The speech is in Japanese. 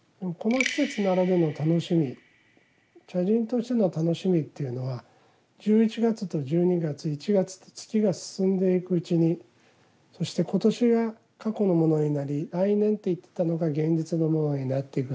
茶人としての楽しみというのは１１月と１２月１月と月が進んでいくうちにそして今年が過去のものになり来年と言ってたのが現実のものになっていく。